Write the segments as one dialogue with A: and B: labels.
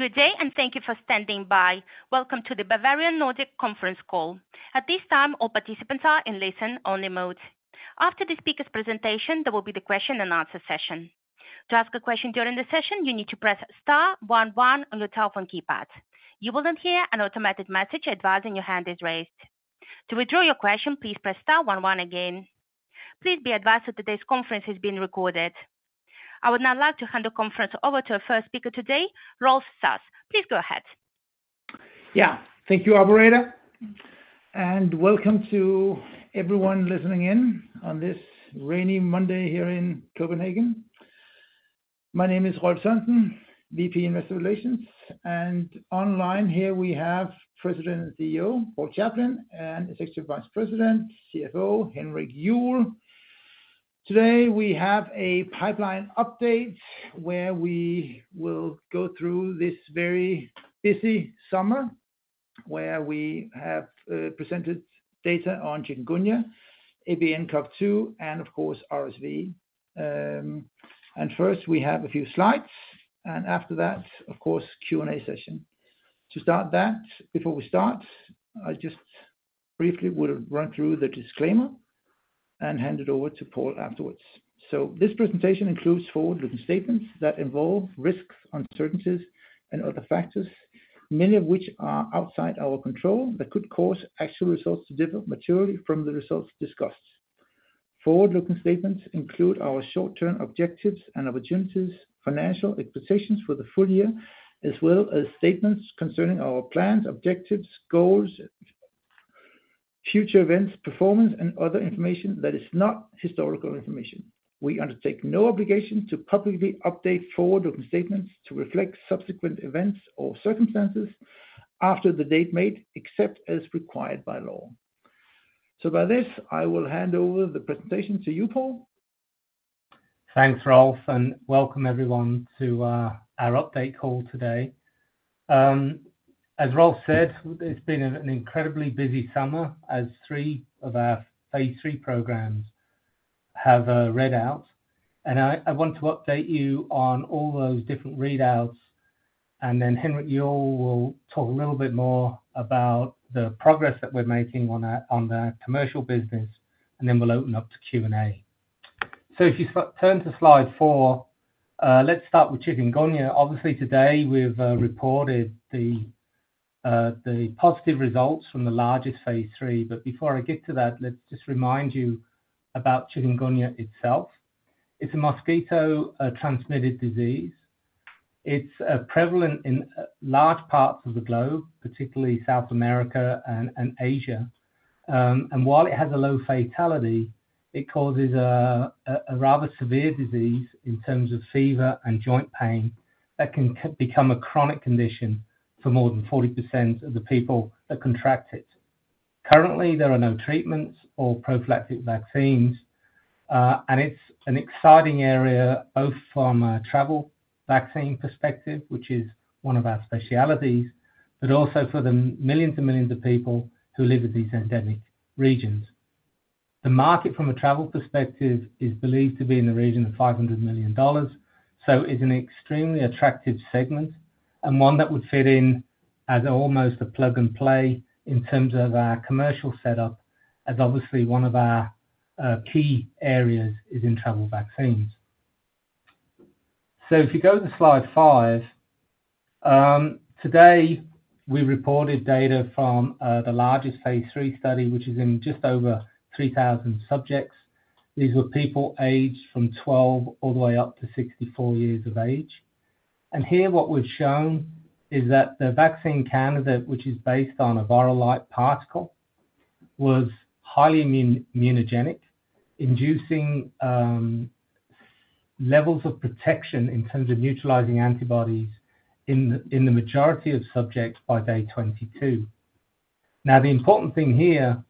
A: Good day, and thank you for standing by. Welcome to the Bavarian Nordic conference call. At this time, all participants are in listen-only mode. After the speaker's presentation, there will be the question and answer session. To ask a question during the session, you need to press star one one on your telephone keypad. You will then hear an automatic message advising your hand is raised. To withdraw your question, please press star one one again. Please be advised that today's conference is being recorded. I would now like to hand the conference over to our first speaker today, Rolf Sass Sørensen. Please go ahead.
B: Yeah. Thank you, operator, and welcome to everyone listening in on this rainy Monday here in Copenhagen. My name is Rolf Sass Sørensen, VP Investor Relations, and online here we have President and CEO, Paul Chaplin, and Executive Vice President, CFO, Henrik Juuel. Today, we have a pipeline update where we have presented data on chikungunya, ABNCoV2, and of course, RSV. First we have a few slides, and after that, of course, Q&A session. To start that, before we start, I just briefly would have run through the disclaimer and hand it over to Paul afterwards. This presentation includes forward-looking statements that involve risks, uncertainties, and other factors, many of which are outside our control, that could cause actual results to differ materially from the results discussed. Forward-looking statements include our short-term objectives and opportunities, financial expectations for the full year, as well as statements concerning our plans, objectives, goals, future events, performance, and other information that is not historical information. We undertake no obligation to publicly update forward-looking statements to reflect subsequent events or circumstances after the date made, except as required by law. By this, I will hand over the presentation to you, Paul.
C: Thanks, Rolf. Welcome everyone to our update call today. As Rolf said, it's been an incredibly busy summer as three of our phase 3 programs have read out. I want to update you on all those different readouts. Henrik Juuel will talk a little bit more about the progress that we're making on our, on the commercial business. We'll open up to Q&A. If you turn to slide 4, let's start with chikungunya. Obviously, today, we've reported the positive results from the largest phase 3. Before I get to that, let's just remind you about chikungunya itself. It's a mosquito-transmitted disease. It's prevalent in large parts of the globe, particularly South America and Asia. While it has a low fatality, it causes a rather severe disease in terms of fever and joint pain that can become a chronic condition for more than 40% of the people that contract it. Currently, there are no treatments or prophylactic vaccines. It's an exciting area, both from a travel vaccine perspective, which is one of our specialties, but also for the millions and millions of people who live in these endemic regions. The market, from a travel perspective, is believed to be in the region of $500 million. It's an extremely attractive segment and one that would fit in as almost a plug-and-play in terms of our commercial setup, as obviously one of our key areas is in travel vaccines. If you go to slide 5, today, we reported data from the largest phase 3 study, which is in just over 3,000 subjects. These were people aged from 12 all the way up to 64 years of age. Here what we've shown is that the vaccine candidate, which is based on a virus-like particle, was highly immune, immunogenic, inducing levels of protection in terms of neutralizing antibodies in the majority of subjects by day 22. Now, the important thing here,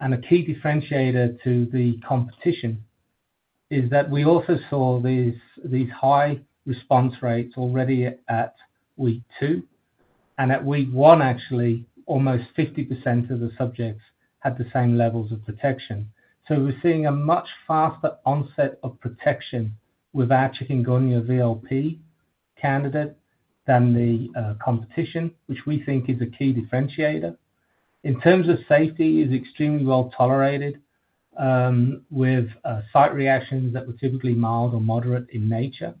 C: and a key differentiator to the competition, is that we also saw these, these high response rates already at week 2, and at week 1, actually, almost 50% of the subjects had the same levels of protection. We're seeing a much faster onset of protection with our chikungunya VLP candidate than the competition, which we think is a key differentiator. In terms of safety, it's extremely well tolerated, with site reactions that were typically mild or moderate in nature.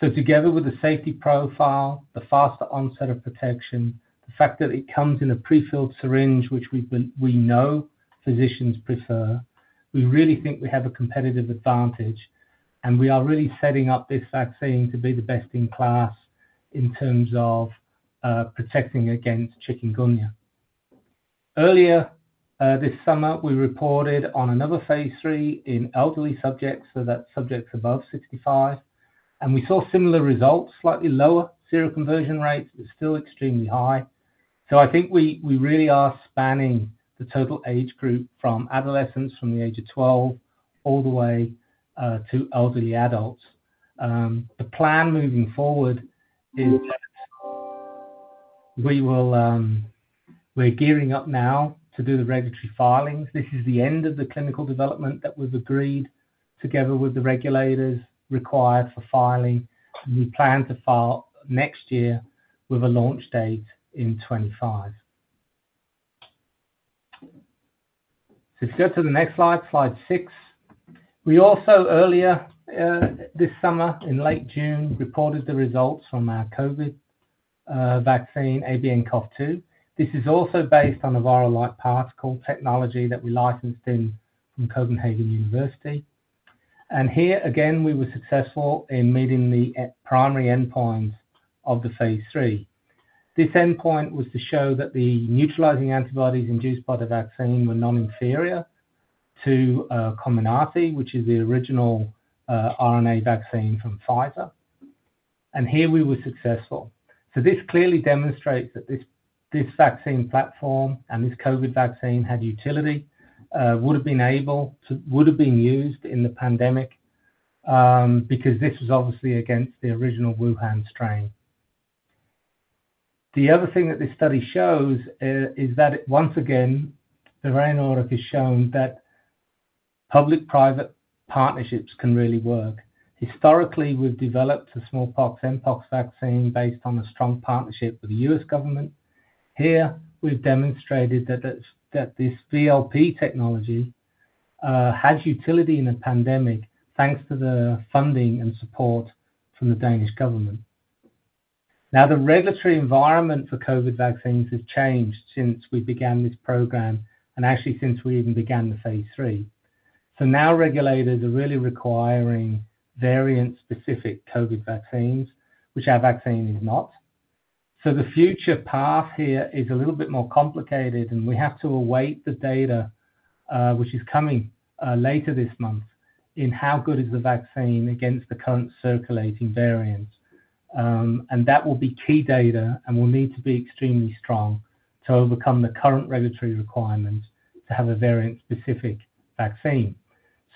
C: Together with the safety profile, the faster onset of protection, the fact that it comes in a prefilled syringe, which we know physicians prefer, we really think we have a competitive advantage, and we are really setting up this vaccine to be the best in class in terms of protecting against chikungunya. Earlier, this summer, we reported on another phase 3 in elderly subjects, so that's subjects above 65, and we saw similar results, slightly lower seroconversion rates, but still extremely high. I think we, we really are spanning the total age group from adolescents from the age of 12 all the way to elderly adults. The plan moving forward is. We will, we're gearing up now to do the regulatory filings. This is the end of the clinical development that was agreed together with the regulators required for filing, and we plan to file next year with a launch date in 2025. Go to the next slide, slide 6. We also, earlier, this summer, in late June, reported the results from our COVID vaccine, ABNCoV2. This is also based on the virus-like particle technology that we licensed in from University of Copenhagen. Here, again, we were successful in meeting the primary endpoints of the phase III. This endpoint was to show that the neutralizing antibodies induced by the vaccine were non-inferior to Comirnaty, which is the original RNA vaccine from Pfizer. Here we were successful. This clearly demonstrates that this, this vaccine platform and this COVID vaccine had utility, would have been able to-- would have been used in the pandemic because this was obviously against the original Wuhan strain. The other thing that this study shows is that once again, the right order is shown that public-private partnerships can really work. Historically, we've developed a smallpox and pox vaccine based on a strong partnership with the US government. Here, we've demonstrated that it's-- that this VLP technology has utility in a pandemic, thanks to the funding and support from the Danish government. The regulatory environment for COVID vaccines has changed since we began this program, and actually since we even began the phase III. Now regulators are really requiring variant-specific COVID vaccines, which our vaccine is not. The future path here is a little bit more complicated, and we have to await the data, which is coming later this month, in how good is the vaccine against the current circulating variants. That will be key data and will need to be extremely strong to overcome the current regulatory requirements to have a variant-specific vaccine.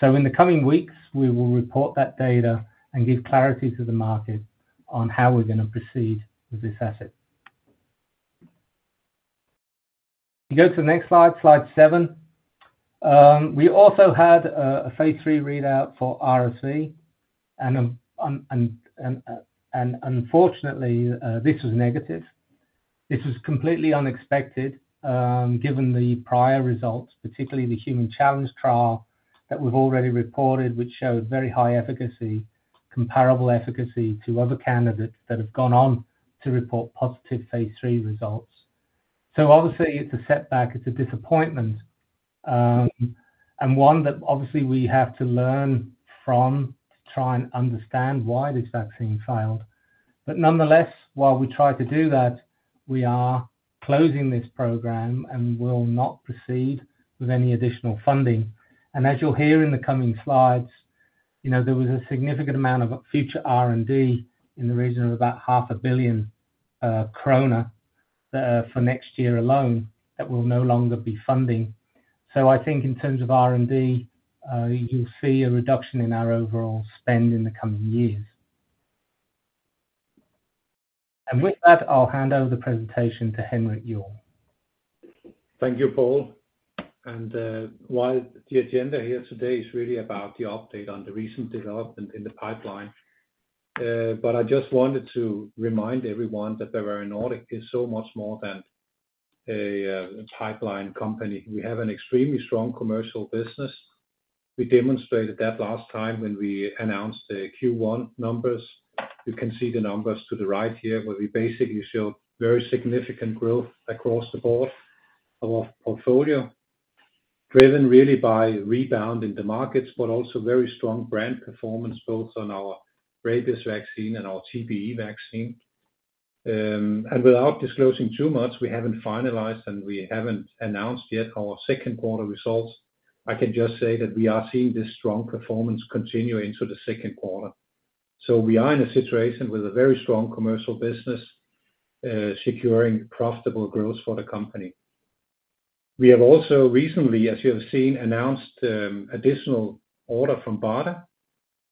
C: In the coming weeks, we will report that data and give clarity to the market on how we're going to proceed with this asset. Go to the next slide, slide 7. We also had a phase III readout for RSV, and unfortunately, this was negative. This was completely unexpected, given the prior results, particularly the human challenge trial that we've already reported, which showed very high efficacy, comparable efficacy to other candidates that have gone on to report positive phase III results. It's a setback, it's a disappointment, and one that obviously we have to learn from to try and understand why this vaccine failed. While we try to do that, we are closing this program and will not proceed with any additional funding. As you'll hear in the coming slides, you know, there was a significant amount of future R&D in the region of about 0.5 billion krone for next year alone, that will no longer be funding. I think in terms of R&D, you'll see a reduction in our overall spend in the coming years. With that, I'll hand over the presentation to Henrik Juuel.
D: Thank you, Paul. While the agenda here today is really about the update on the recent development in the pipeline, I just wanted to remind everyone that Bavarian Nordic is so much more than a pipeline company. We have an extremely strong commercial business. We demonstrated that last time when we announced the Q1 numbers. You can see the numbers to the right here, where we basically show very significant growth across the board of our portfolio, driven really by rebound in the markets, but also very strong brand performance, both on our rabies vaccine and our TBE vaccine. Without disclosing too much, we haven't finalized, and we haven't announced yet our Q2 results. I can just say that we are seeing this strong performance continuing into the Q2. We are in a situation with a very strong commercial business, securing profitable growth for the company. We have also recently, as you have seen, announced additional order from BARDA,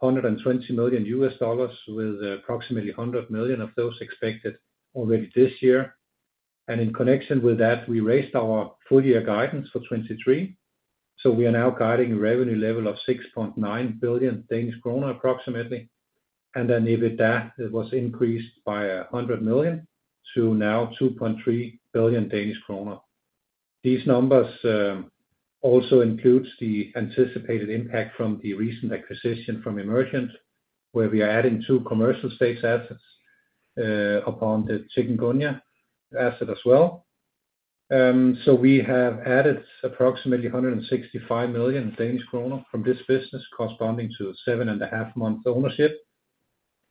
D: $120 million, with approximately $100 million of those expected already this year. In connection with that, we raised our full year guidance for 2023. We are now guiding a revenue level of 6.9 billion kroner, approximately, and then EBITDA, it was increased by 100 million to now 2.3 billion Danish kroner. These numbers also includes the anticipated impact from the recent acquisition from Emergent, where we are adding two commercial-stage assets, upon the chikungunya asset as well. We have added approximately 165 million Danish kroner from this business, corresponding to 7.5 months ownership,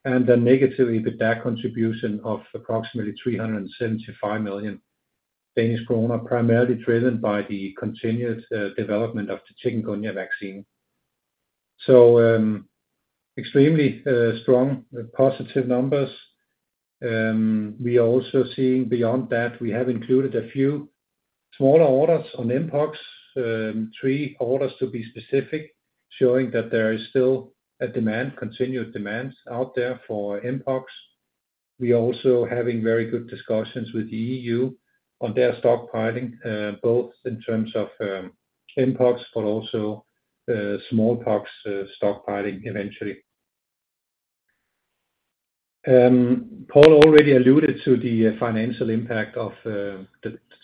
D: and then negatively, the debt contribution of approximately 375 million Danish kroner, primarily driven by the continued development of the chikungunya vaccine. Extremely strong, positive numbers. We are also seeing beyond that, we have included smaller orders on mpox, 3 orders to be specific, showing that there is still a demand, continued demand out there for mpox. We are also having very good discussions with the EU on their stockpiling, both in terms of mpox, but also smallpox stockpiling eventually. Paul already alluded to the financial impact of the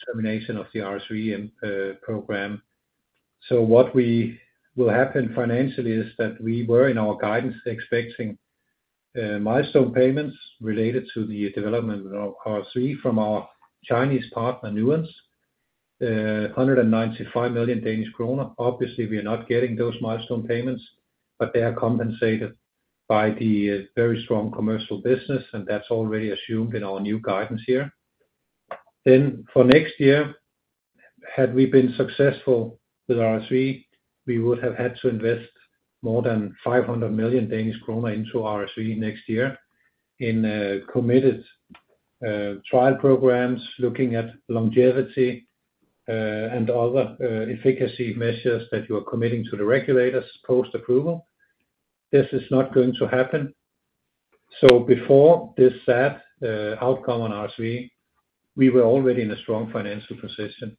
D: termination of the RSV program. What we will happen financially is that we were, in our guidance, expecting, milestone payments related to the development of RSV from our Chinese partner, Nuance. 195 million Danish kroner. Obviously, we are not getting those milestone payments, but they are compensated by the very strong commercial business, and that's already assumed in our new guidance here. For next year, had we been successful with RSV, we would have had to invest more than 500 million Danish kroner into RSV next year in committed trial programs, looking at longevity, and other efficacy measures that you are committing to the regulators post-approval. This is not going to happen. Before this sad outcome on RSV, we were already in a strong financial position.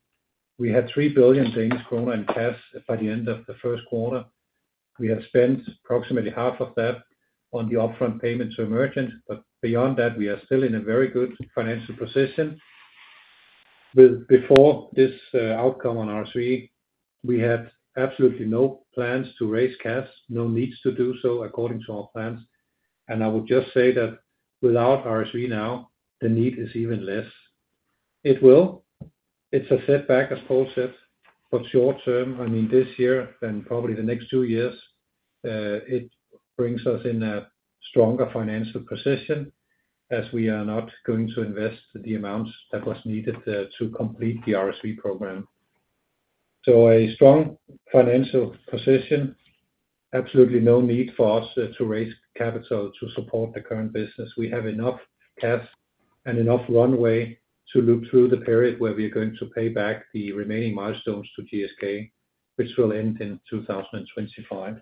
D: We had 3 billion Danish kroner in cash by the end of the Q1. We have spent approximately half of that on the upfront payment to Emergent, but beyond that, we are still in a very good financial position. Before this outcome on RSV, we had absolutely no plans to raise cash, no needs to do so according to our plans. I would just say that without RSV now, the need is even less. It will, it's a setback, as Paul said, but short term, I mean this year and probably the next two years, it brings us in a stronger financial position as we are not going to invest the amounts that was needed to complete the RSV program. A strong financial position, absolutely no need for us to raise capital to support the current business. We have enough cash and enough runway to look through the period where we are going to pay back the remaining milestones to GSK, which will end in 2025.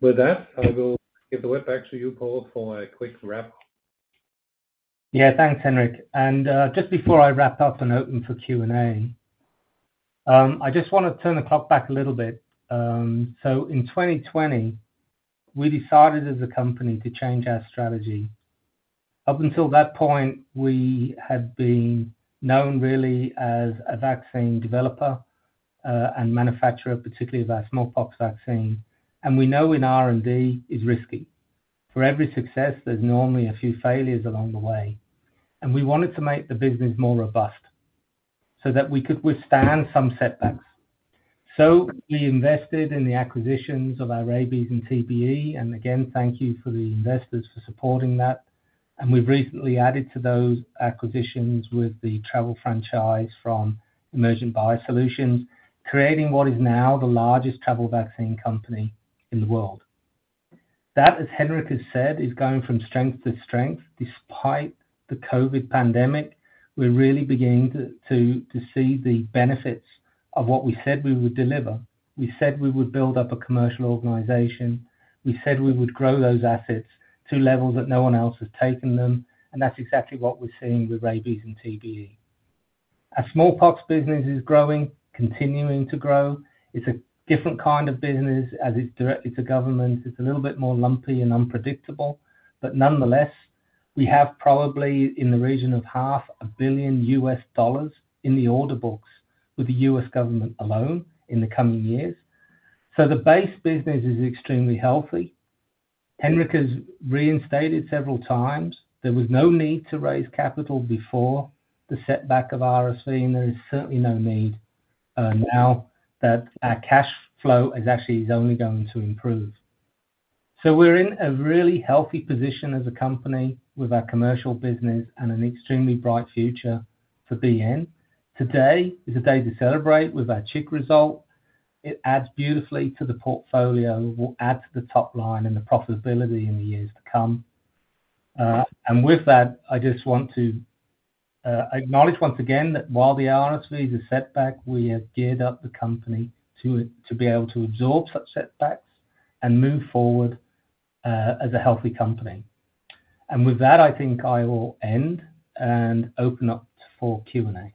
D: With that, I will give the word back to you, Paul, for a quick wrap.
C: Yeah, thanks, Henrik. Just before I wrap up and open for Q&A, I just want to turn the clock back a little bit. In 2020, we decided as a company to change our strategy. Up until that point, we had been known really as a vaccine developer and manufacturer, particularly of our smallpox vaccine. We know in R&D, it's risky. For every success, there's normally a few failures along the way, and we wanted to make the business more robust so that we could withstand some setbacks. We invested in the acquisitions of our rabies and TBE, and again, thank you for the investors for supporting that. We've recently added to those acquisitions with the travel franchise from Emergent BioSolutions, creating what is now the largest travel vaccine company in the world. That, as Henrik has said, is going from strength to strength. Despite the COVID pandemic, we're really beginning to see the benefits of what we said we would deliver. We said we would build up a commercial organization. We said we would grow those assets to levels that no one else has taken them. That's exactly what we're seeing with rabies and TBE. Our smallpox business is growing, continuing to grow. It's a different kind of business, as it's directly to government. It's a little bit more lumpy and unpredictable. Nonetheless, we have probably in the region of $500 million in the order books with the US government alone in the coming years. The base business is extremely healthy. Henrik has reinstated several times there was no need to raise capital before the setback of RSV. There is certainly no need, now that our cash flow is actually is only going to improve. We're in a really healthy position as a company with our commercial business and an extremely bright future for BN. Today is a day to celebrate with our CHIKV result. It adds beautifully to the portfolio, will add to the top line and the profitability in the years to come. With that, I just want to acknowledge once again that while the RSV is a setback, we have geared up the company to, to be able to absorb such setbacks and move forward, as a healthy company. With that, I think I will end and open up for Q&A.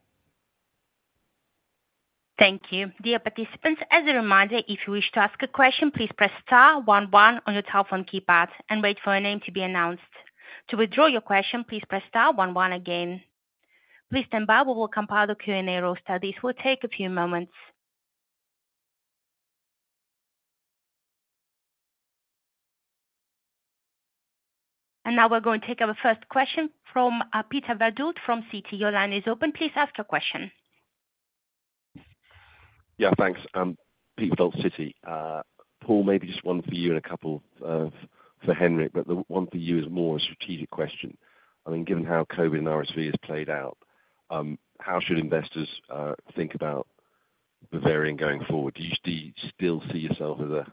A: Thank you. Dear participants, as a reminder, if you wish to ask a question, please press star one one on your telephone keypad and wait for your name to be announced. To withdraw your question, please press star one one again. Please stand by, we will compile the Q&A roster. This will take a few moments. Now we're going to take our first question from Peter Verdultfrom Citi. Your line is open. Please ask your question.
E: Yeah, thanks. Peter Verdult, Citi. Paul, maybe just 1 for you and a couple for Henrik, but the 1 for you is more a strategic question. I mean, given how COVID-19 and RSV has played out, how should investors think about... Bavarian going forward, do you still see yourself as a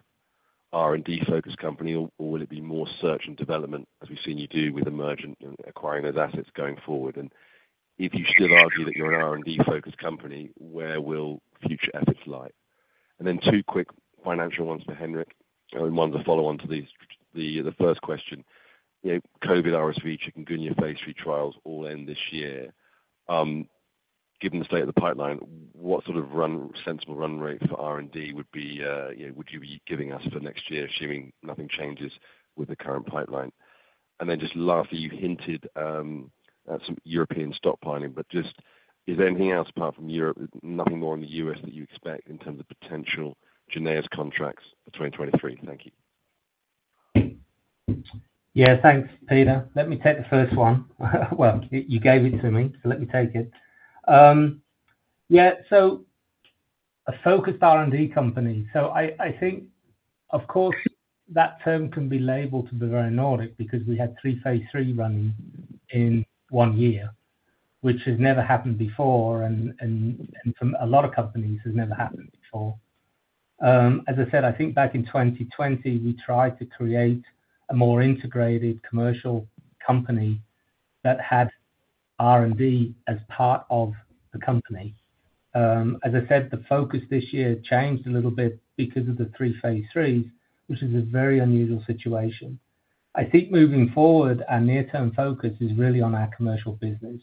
E: R&D focused company, or, or will it be more search and development, as we've seen you do with Emergent and acquiring those assets going forward? If you still argue that you're an R&D focused company, where will future efforts lie? Then 2 quick financial ones for Henrik, and 1 to follow on to these, the, the first question. You know, COVID-19, RSV, chikungunya, phase 3 trials all end this year. Given the state of the pipeline, what sort of run, sensible run rate for R&D would be, you know, would you be giving us for next year, assuming nothing changes with the current pipeline? Just lastly, you hinted at some European stockpiling, but just is there anything else apart from Europe, nothing more in the U.S. that you expect in terms of potential Jynneos contracts for 2023? Thank you.
C: Yeah, thanks, Peter. Let me take the first one. Well, you, you gave it to me, so let me take it. Yeah, so a focused R&D company. I think, of course, that term can be labeled to be very Nordic, because we had three phase 3 running in one year, which has never happened before, and, and, and from a lot of companies has never happened before. As I said, I think back in 2020, we tried to create a more integrated commercial company that had R&D as part of the company. As I said, the focus this year changed a little bit because of the three phase 3s, which is a very unusual situation. I think moving forward, our near-term focus is really on our commercial business.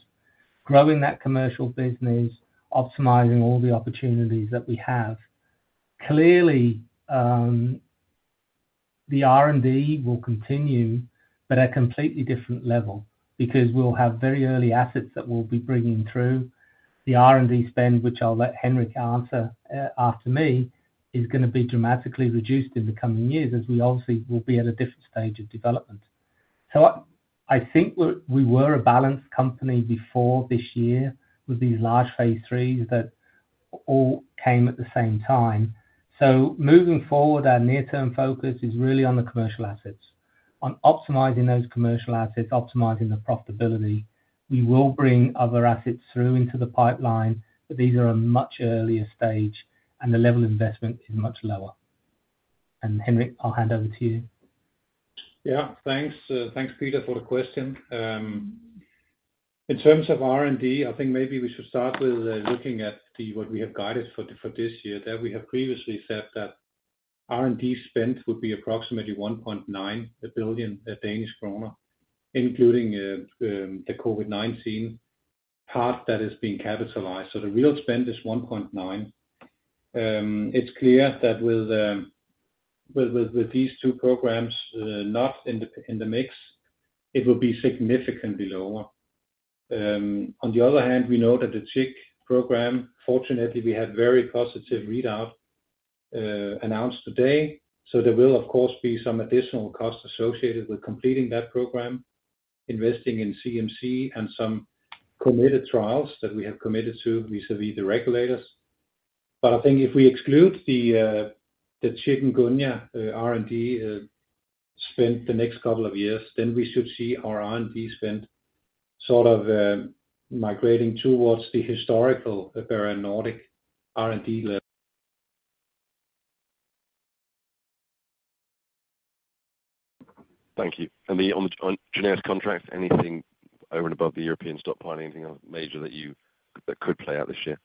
C: Growing that commercial business, optimizing all the opportunities that we have. Clearly, the R&D will continue, but at a completely different level, because we'll have very early assets that we'll be bringing through. The R&D spend, which I'll let Henrik answer, after me, is gonna be dramatically reduced in the coming years, as we obviously will be at a different stage of development. I, I think we're -- we were a balanced company before this year with these large phase threes that all came at the same time. Moving forward, our near-term focus is really on the commercial assets, on optimizing those commercial assets, optimizing the profitability. We will bring other assets through into the pipeline, but these are a much earlier stage, and the level of investment is much lower. And Henrik, I'll hand over to you.
D: Yeah. Thanks, thanks, Peter, for the question. In terms of R&D, I think maybe we should start with looking at the, what we have guided for, for this year. That we have previously said that R&D spend would be approximately 1.9 billion Danish kroner, including the COVID-19 part that is being capitalized. The real spend is 1.9. It's clear that with, with, with, with these two programs, not in the, in the mix, it will be significantly lower. On the other hand, we know that the chik program, fortunately, we had very positive readout, announced today. There will, of course, be some additional costs associated with completing that program, investing in CMC and some committed trials that we have committed to vis-a-vis the regulators. I think if we exclude the, the chikungunya, R&D, spend the next couple of years, then we should see our R&D spend sort of, migrating towards the historical, the Bavarian Nordic R&D level.
E: Thank you. On Jynneos contracts, anything over and above the European stockpiling, anything else major that could play out this year?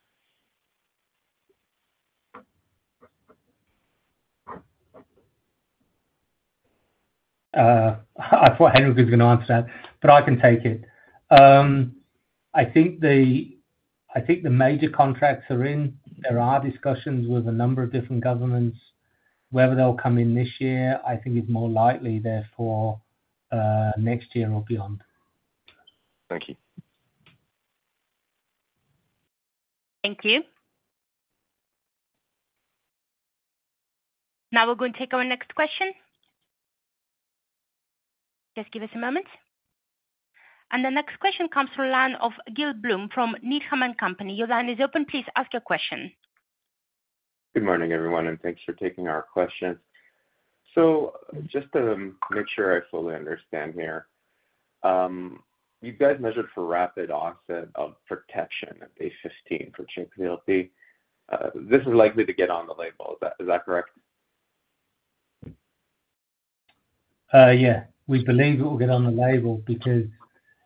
C: I thought Henrik was going to answer that, but I can take it. I think the, I think the major contracts are in. There are discussions with a number of different governments. Whether they'll come in this year, I think it's more likely therefore, next year or beyond.
E: Thank you.
A: Thank you. Now we're going to take our next question. Just give us a moment. The next question comes from the line of Gil Blum, from Needham & Company. Your line is open. Please ask your question.
F: Good morning, everyone, and thanks for taking our questions. Just to make sure I fully understand here, you guys measured for rapid onset of protection at day 15 for chikungunya VLP. This is likely to get on the label. Is that, is that correct?
C: Yeah. We believe it will get on the label because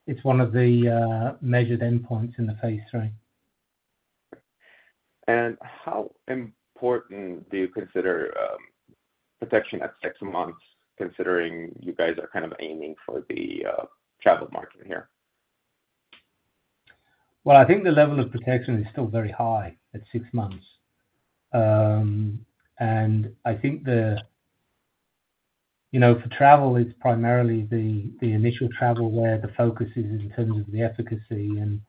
C: it's one of the measured endpoints in the phase three.
F: How important do you consider protection at six months, considering you guys are kind of aiming for the travel market here?
C: Well, I think the level of protection is still very high at 6 months. I think the... You know, for travel, it's primarily the, the initial travel where the focus is in terms of the efficacy, and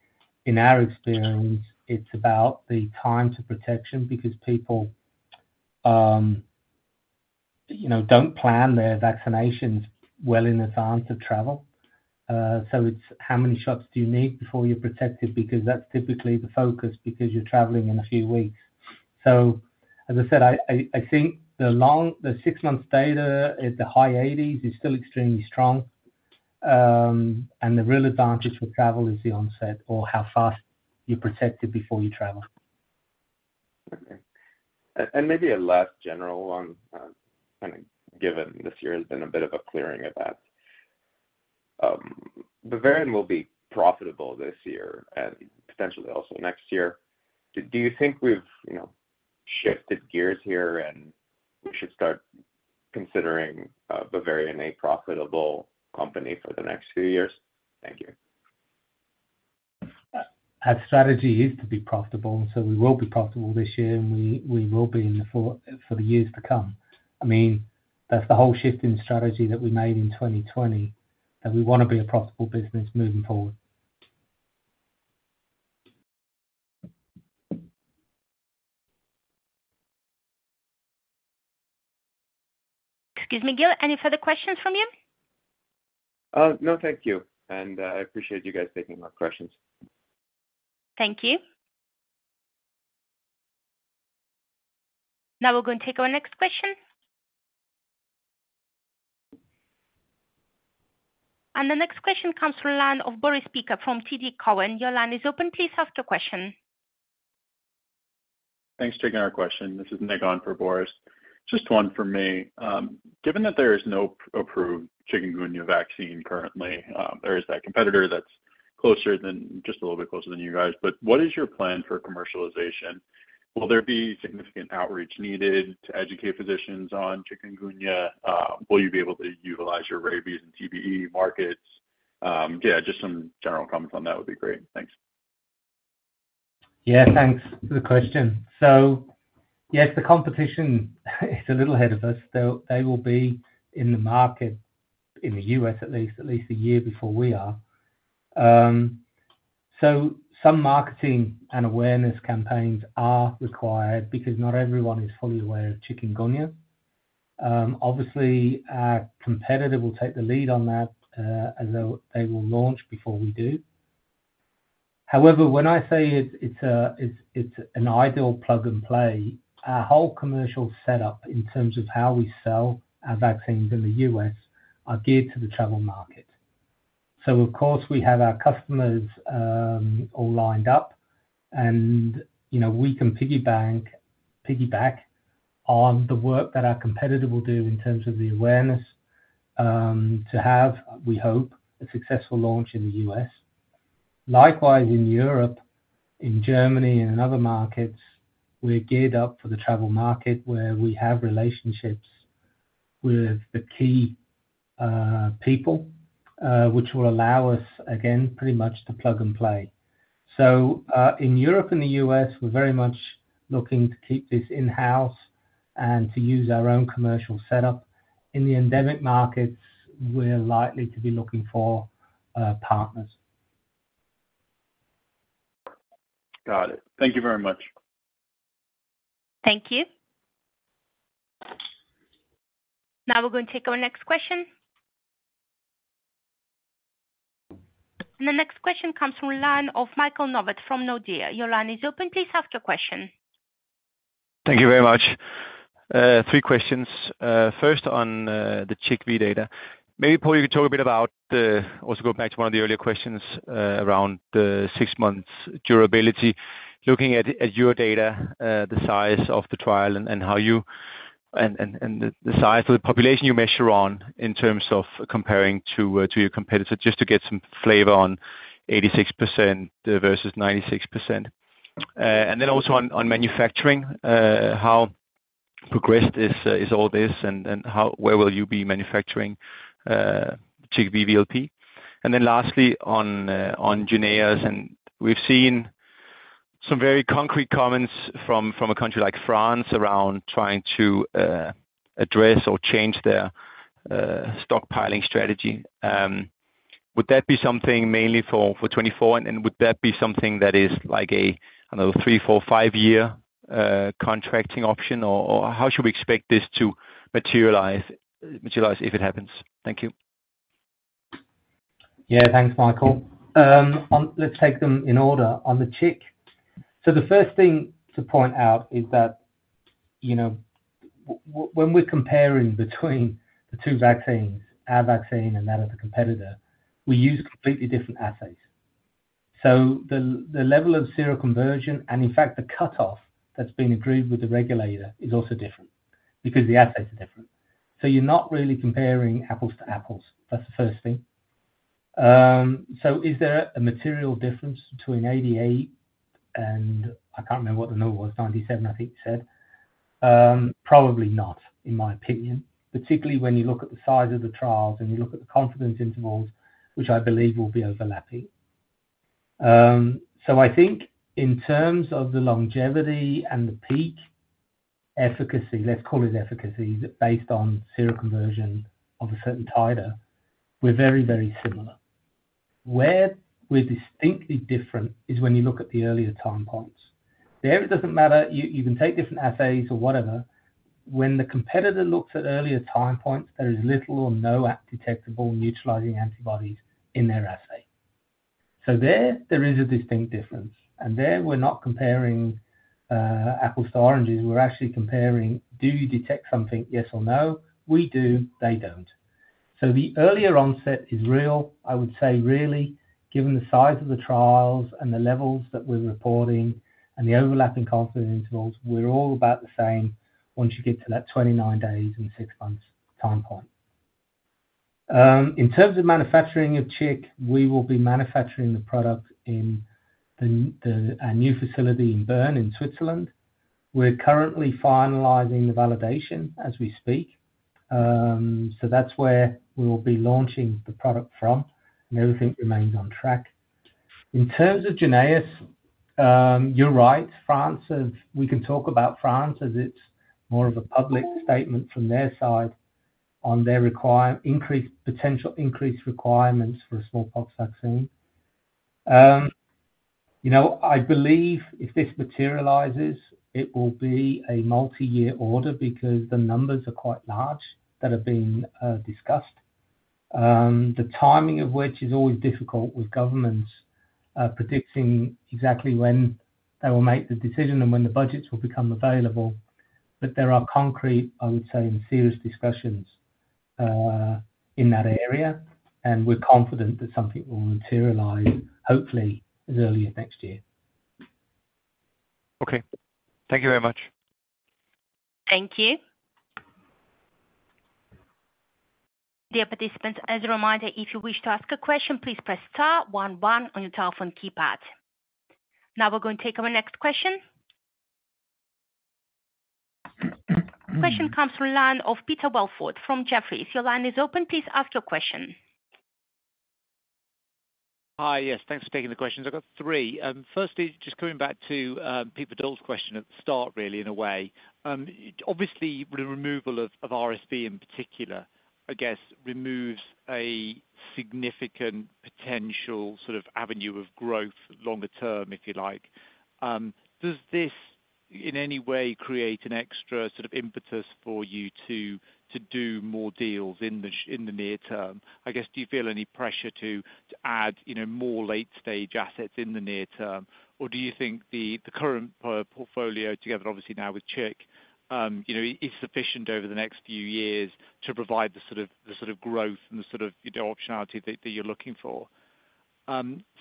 C: in our experience, it's about the time to protection because people, you know, don't plan their vaccinations well in advance of travel. It's how many shots do you need before you're protected? Because that's typically the focus because you're traveling in a few weeks. As I said, I, I, I think the long, the 6 months data is the high 80s is still extremely strong. The real advantage with travel is the onset or how fast you're protected before you travel.
F: Okay. And maybe a less general one, kind of given this year has been a bit of a clearing of that. Bavarian will be profitable this year and potentially also next year. Do, do you think we've, you know, shifted gears here and we should start considering, Bavarian a profitable company for the next few years? Thank you.
C: Our strategy is to be profitable, so we will be profitable this year, and we will be in the years to come. I mean, that's the whole shift in strategy that we made in 2020, that we wanna be a profitable business moving forward.
A: Excuse me, Gil, any further questions from you?
F: No, thank you. I appreciate you guys taking my questions.
A: Thank you. Now we're going to take our next question. The next question comes from the line of Boris Peaker from TD Cowen. Your line is open. Please ask your question.
G: Thanks for taking our question. This is Megan for Boris. Just one from me. Given that there is no approved chikungunya vaccine currently, there is that competitor that's closer than, just a little bit closer than you guys. What is your plan for commercialization? Will there be significant outreach needed to educate physicians on chikungunya? Will you be able to utilize your rabies and TBE markets? Yeah, just some general comments on that would be great. Thanks.
C: Yeah, thanks for the question. Yes, the competition is a little ahead of us. They will be in the market, in the US, at least, at least a year before we are. Some marketing and awareness campaigns are required because not everyone is fully aware of chikungunya. Obviously, our competitor will take the lead on that, as they will launch before we do. However, when I say it's an ideal plug-and-play, our whole commercial setup in terms of how we sell our vaccines in the US, are geared to the travel market. Of course, we have our customers, all lined up and, you know, we can piggyback on the work that our competitor will do in terms of the awareness, to have, we hope, a successful launch in the US. Likewise, in Europe, in Germany and in other markets, we're geared up for the travel market, where we have relationships with the key people, which will allow us, again, pretty much to plug and play. In Europe and the U.S., we're very much looking to keep this in-house and to use our own commercial setup. In the endemic markets, we're likely to be looking for partners.
G: Got it. Thank it very much.
A: Thank you. Now we're going to take our next question. The next question comes from line of Michael Novod from Nordea. Your line is open. Please ask your question.
H: Thank you very much. Three questions. First, on the CHIKV data. Maybe, Paul, you could talk a bit about the... Also, going back to one of the earlier questions, around the 6 months durability. Looking at your data, the size of the trial and how you, and the size of the population you measure on in terms of comparing to your competitor, just to get some flavor on 86% versus 96%. Then also on manufacturing, how progressed is all this, and how, where will you be manufacturing CHIKV VLP? Then lastly, on Jynneos, and we've seen some very concrete comments from a country like France around trying to address or change their stockpiling strategy. Would that be something mainly for, for 2024, would that be something that is like a, I don't know, three, four, five-year contracting option? How should we expect this to materialize if it happens? Thank you.
C: Yeah, thanks, Michael. On-- let's take them in order on the chick. The first thing to point out is that, you know, when we're comparing between the two vaccines, our vaccine and that of the competitor, we use completely different assays. The level of seroconversion and in fact, the cutoff that's been agreed with the regulator is also different because the assays are different. You're not really comparing apples to apples. That's the first thing. Is there a material difference between 88, and I can't remember what the number was, 97, I think you said? Probably not, in my opinion, particularly when you look at the size of the trials and you look at the confidence intervals, which I believe will be overlapping. I think in terms of the longevity and the peak efficacy, let's call it efficacy, based on seroconversion of a certain titer, we're very, very similar. Where we're distinctly different is when you look at the earlier time points. There, it doesn't matter, you, you can take different assays or whatever. When the competitor looks at earlier time points, there is little or no detectable neutralizing antibodies in their assay. There, there is a distinct difference. There, we're not comparing apples to oranges, we're actually comparing, do you detect something, yes or no? We do, they don't. The earlier onset is real. I would say really, given the size of the trials and the levels that we're reporting and the overlapping confidence intervals, we're all about the same once you get to that 29 days and 6 months time point. In terms of manufacturing of CHIKV, we will be manufacturing the product in our new facility in Bern, in Switzerland. We're currently finalizing the validation as we speak. That's where we will be launching the product from, and everything remains on track. In terms of Jynneos, you're right. France, we can talk about France as it's more of a public statement from their side on their increased, potential increased requirements for a smallpox vaccine. You know, I believe if this materializes, it will be a multi-year order because the numbers are quite large, that have been discussed. The timing of which is always difficult with governments, predicting exactly when they will make the decision and when the budgets will become available. There are concrete, I would say, serious discussions in that area, and we're confident that something will materialize, hopefully as early as next year.
H: Okay. Thank you very much.
A: Thank you. Dear participants, as a reminder, if you wish to ask a question, please press star one one on your telephone keypad. Now we're going to take our next question. Question comes from line of Peter Verdult from Jefferies. Your line is open, please ask your question.
E: Hi, yes, thanks for taking the questions. I've got three. Firstly, just coming back to Peter Verdult's question at the start, really, in a way. Obviously, the removal of RSV in particular, I guess, removes a significant potential sort of avenue of growth longer term, if you like. Does this, in any way create an extra sort of impetus for you to do more deals in the near term? I guess, do you feel any pressure to add, you know, more late stage assets in the near term? Or do you think the current portfolio together, obviously now with Chick, you know, is sufficient over the next few years to provide the sort of, the sort of growth and the sort of, you know, optionality that you're looking for?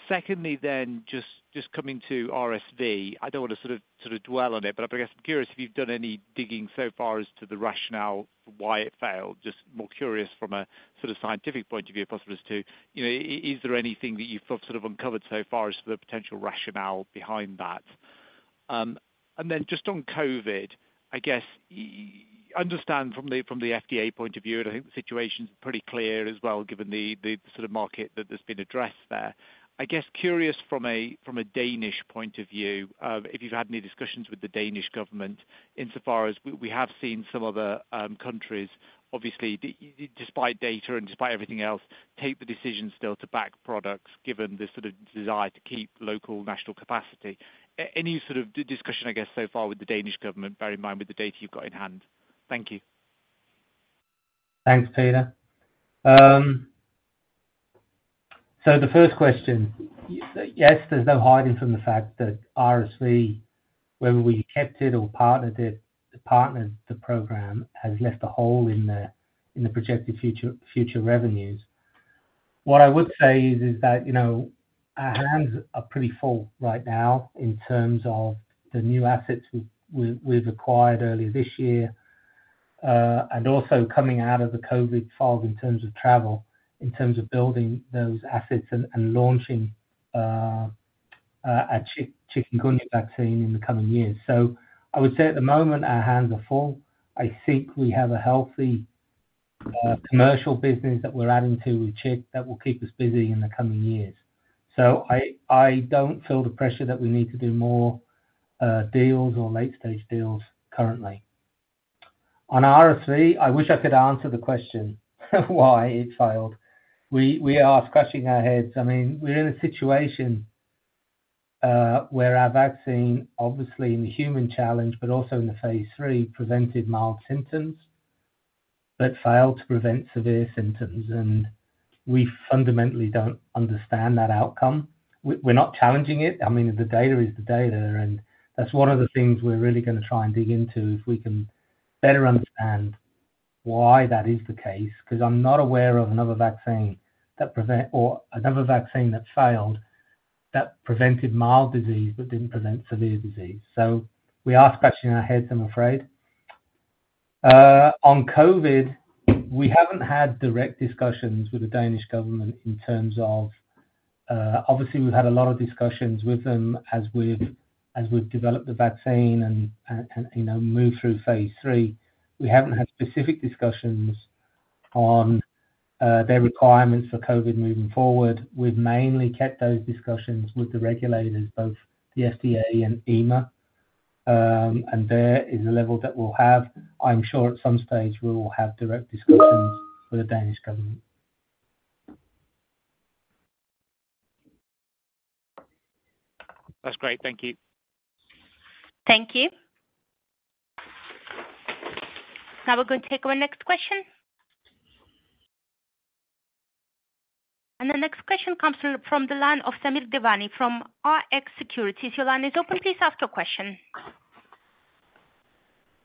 E: Secondly, then, just coming to RSV, I don't want to sort of dwell on it, but I guess I'm curious if you've done any digging so far as to the rationale for why it failed. Just more curious from a sort of scientific point of view, if possible, as to, you know, is there anything that you've sort of uncovered so far as to the potential rationale behind that? Then just on COVID, I guess, understand from the FDA point of view, and I think the situation's pretty clear as well, given the sort of market that has been addressed there. I guess, curious from a, from a Danish point of view, if you've had any discussions with the Danish government in so far as we, we have seen some other countries, obviously, despite data and despite everything else, take the decision still to back products, given the sort of desire to keep local national capacity. Any sort of discussion, I guess, so far with the Danish government, bear in mind with the data you've got in hand. Thank you.
C: Thanks, Peter. Yes, there's no hiding from the fact that RSV, whether we kept it or partnered it, the partners, the program, has left a hole in the, in the projected future, future revenues. What I would say is, is that, you know, our hands are pretty full right now in terms of the new assets we've acquired earlier this year, and also coming out of the COVID fog in terms of travel, in terms of building those assets and, and launching a chikungunya vaccine in the coming years. I would say at the moment, our hands are full. I think we have a healthy commercial business that we're adding to with chick that will keep us busy in the coming years. I, I don't feel the pressure that we need to do more deals or late-stage deals currently. On RSV, I wish I could answer the question, why it failed. We, we are scratching our heads. I mean, we're in a situation where our vaccine, obviously in the human challenge, but also in the phase 3, prevented mild symptoms, but failed to prevent severe symptoms, and we fundamentally don't understand that outcome. We, we're not challenging it. I mean, the data is the data, and that's one of the things we're really gonna try and dig into, if we can better understand why that is the case, because I'm not aware of another vaccine that prevent... or another vaccine that failed, that prevented mild disease, but didn't prevent severe disease. We are scratching our heads, I'm afraid. On COVID, we haven't had direct discussions with the Danish government in terms of, obviously, we've had a lot of discussions with them as we've, as we've developed the vaccine and, you know, moved through phase 3. We haven't had specific discussions on their requirements for COVID moving forward. We've mainly kept those discussions with the regulators, both the FDA and EMA, and there is a level that we'll have. I'm sure at some stage we will have direct discussions with the Danish government.
E: That's great. Thank you.
A: Thank you. Now we're going to take our next question. The next question comes from the line of Samir Devani from Rx Securities. Your line is open, please ask your question.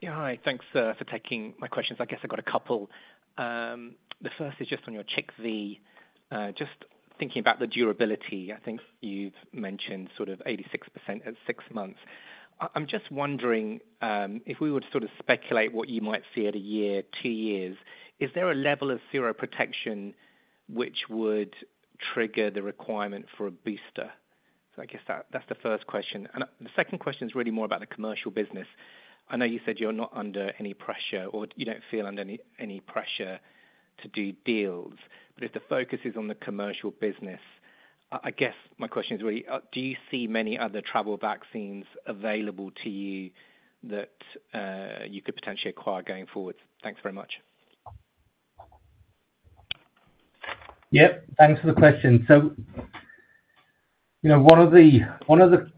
I: Yeah, hi. Thanks for taking my questions. I guess I've got a couple. The first is just on your CHIKV. Just thinking about the durability, I think you've mentioned sort of 86% at 6 months. I, I'm just wondering, if we were to sort of speculate what you might see at 1 year, 2 years, is there a level of seroprotection which would trigger the requirement for a booster? I guess that- that's the first question. The second question is really more about the commercial business. I know you said you're not under any pressure or you don't feel under any, any pressure to do deals. If the focus is on the commercial business, I, I guess my question is really, do you see many other travel vaccines available to you that, you could potentially acquire going forward? Thanks very much.
C: Yep. Thanks for the question. You know, one of the, one of the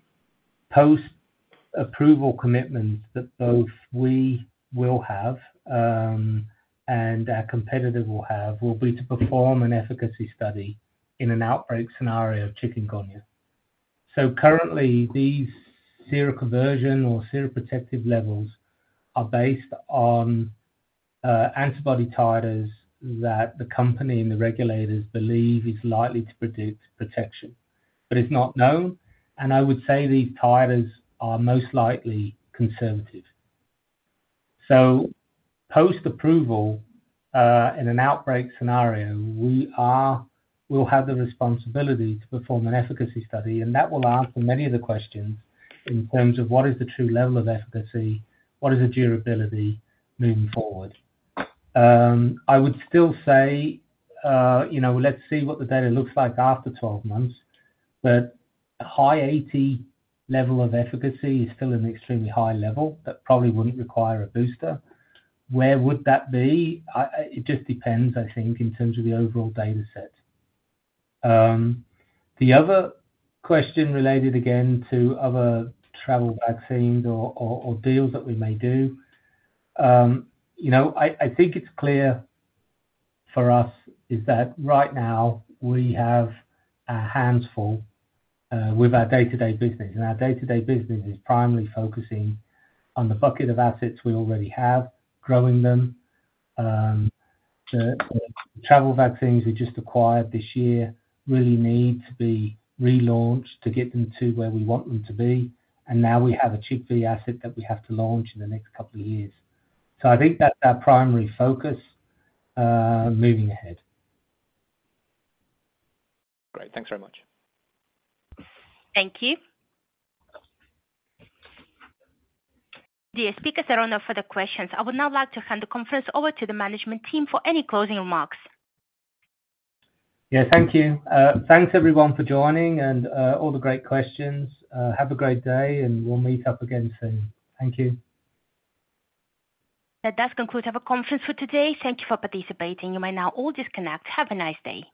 C: post-approval commitments that both we will have, and our competitor will have, will be to perform an efficacy study in an outbreak scenario of chikungunya. Currently, these seroconversion or seroprotective levels are based on antibody titers that the company and the regulators believe is likely to predict protection, but it's not known, and I would say these titers are most likely conservative. Post-approval, in an outbreak scenario, we'll have the responsibility to perform an efficacy study, and that will answer many of the questions in terms of what is the true level of efficacy, what is the durability moving forward. I would still say, you know, let's see what the data looks like after 12 months. A high 80 level of efficacy is still an extremely high level that probably wouldn't require a booster. Where would that be? It just depends, I think, in terms of the overall data set. The other question related again to other travel vaccines or, or, or deals that we may do. You know, I, I think it's clear for us is that right now we have a handful with our day-to-day business, and our day-to-day business is primarily focusing on the bucket of assets we already have, growing them. The travel vaccines we just acquired this year really need to be relaunched to get them to where we want them to be, and now we have a CHIKV asset that we have to launch in the next couple of years. I think that's our primary focus moving ahead.
I: Great. Thanks very much.
A: Thank you. The speakers are done for the questions. I would now like to hand the conference over to the management team for any closing remarks.
C: Yeah, thank you. Thanks everyone for joining and, all the great questions. Have a great day, and we'll meet up again soon. Thank you.
A: That does conclude our conference for today. Thank you for participating. You may now all disconnect. Have a nice day.